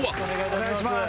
お願いします。